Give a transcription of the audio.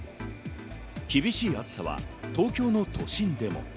厳しい暑さは東京の都心でも。